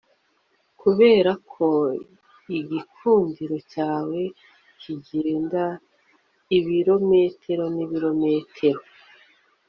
kuberako igikundiro cyawe kigenda ibirometero n'ibirometero